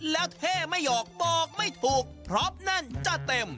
แล้วเท่ไม่ออกบอกไม่ถูกเพราะแน่นจะเต็ม